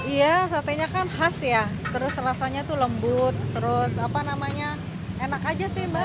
iya satenya kan khas ya terus rasanya tuh lembut terus apa namanya enak aja sih mbak